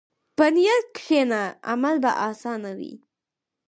په نیت کښېنه، عمل به اسانه وي.